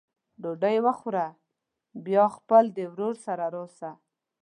ډوډۍ وخوره بیا خپل د ورور سره راسه!